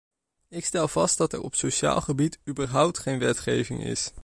Ik stel vast dat er op sociaal gebied überhaupt geen wetgeving is.